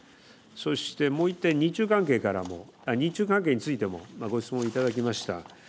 そして、もう１点日中関係についてもご質問いただきました。